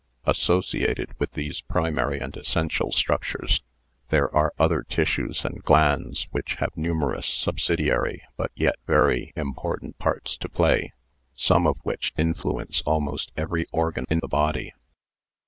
Associated with these primary and essential structures there are other tissues and glands which have numerous subsidiary but yet very im portant parts to play; some of which influence almost every organ in the body.